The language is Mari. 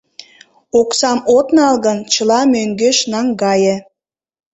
— Оксам от нал гын, чыла мӧҥгеш наҥгае!